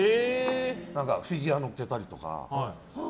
フィギュア乗っけたりとか。